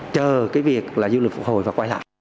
chờ cái việc là du lịch phục hồi và quay lại